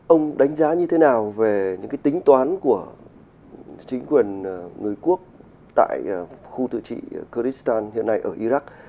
ông đánh giá như thế nào về những tính toán của chính quyền người quốc tại khu tự trị kurristan hiện nay ở iraq